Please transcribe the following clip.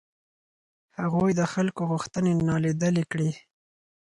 هغوی د خلکو غوښتنې نالیدلې کړې.